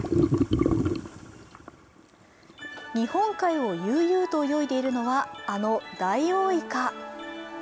日本海を悠々と泳いでいるのはあのダイオウイカ。